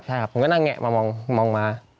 ใช่ครับผมก็นั่งแงะมามองมา